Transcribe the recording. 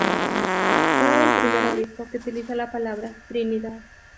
Fue el primer obispo que utilizó la palabra "Trinidad".